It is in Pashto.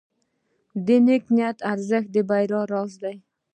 د نیک نیت ارزښت د بریا راز دی.